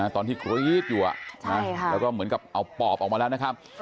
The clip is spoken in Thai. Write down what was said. ตอนที่วี้ปอบอยู่แล้วก็เหมือนเอาปอบออกมาแล้วนะครับ